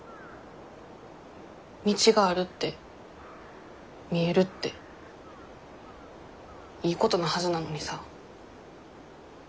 道があるって見えるっていいことのはずなのにさ。